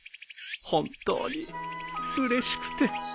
本当にうれしくて。